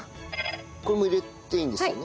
これも入れていいんですよね？